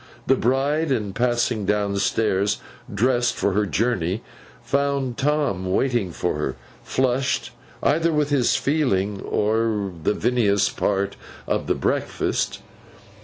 The bride, in passing down stairs, dressed for her journey, found Tom waiting for her—flushed, either with his feelings, or the vinous part of the breakfast.